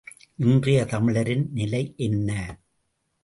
இன்றைய தமிழரின் நிலை என்ன?